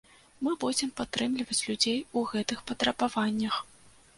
Мы будзем падтрымліваць людзей у гэтых патрабаваннях.